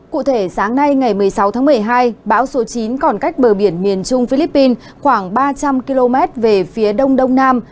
cụ thể sáng nay ngày một mươi sáu tháng một mươi hai bão số chín còn cách bờ biển miền trung philippines khoảng ba trăm linh km về phía đông đông nam